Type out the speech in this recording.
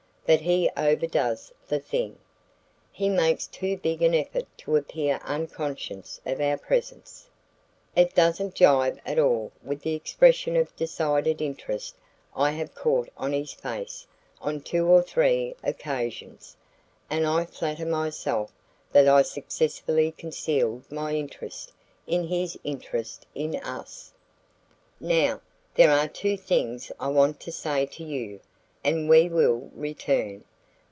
But he overdoes the thing. He makes too big an effort to appear unconscious of our presence. It doesn't jibe at all with the expression of decided interest I have caught on his face on two or three occasions. And I flatter myself that I successfully concealed my interest in his interest in us. "Now, there are two things I want to say to you, and we will return.